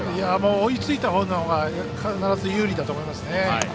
追いついたほうは有利だと思いますね。